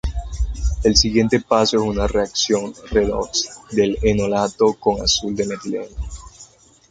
El siguiente paso es una reacción redox del enolato con azul de metileno.